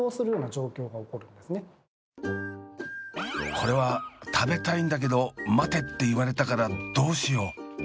これは食べたいんだけど待てって言われたからどうしよう。